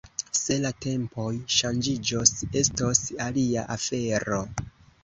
Se la tempoj ŝanĝiĝos, estos alia afero.